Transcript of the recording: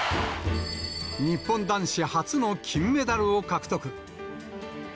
日本男子初の金メダルを獲得。